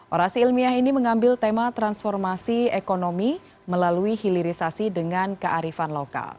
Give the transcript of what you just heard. orasi ilmiah ini mengambil tema transformasi ekonomi melalui hilirisasi dengan kearifan lokal